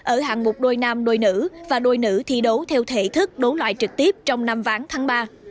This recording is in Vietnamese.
ở hạng mục đôi nam đôi nữ và đôi nữ thi đấu theo thể thức đấu loại trực tiếp trong năm ván tháng ba